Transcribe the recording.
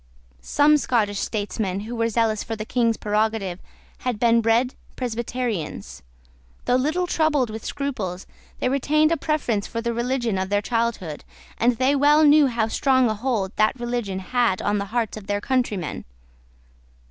Some Scottish statesmen who were zealous for the King's prerogative had been bred Presbyterians. Though little troubled with scruples, they retained a preference for the religion of their childhood; and they well knew how strong a hold that religion had on the hearts of their countrymen.